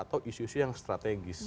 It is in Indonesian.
atau isu isu yang strategis